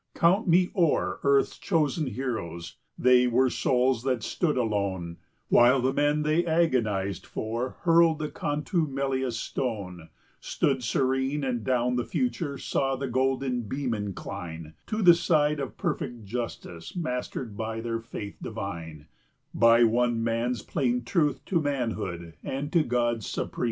55 Count me o'er earth's chosen heroes, they were souls that stood alone, While the men they agonized for hurled the contumelious stone, Stood serene, and down the future saw the golden beam incline To the side of perfect justice, mastered by their faith divine, By one man's plain truth to manhood and to God's supreme design.